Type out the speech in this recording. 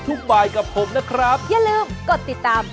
เห็นรีไล่ไหม